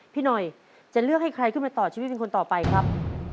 พี่หน่อยจะเลือกให้ใครขึ้นมาต่อชีวิตเป็นคนต่อไปครับ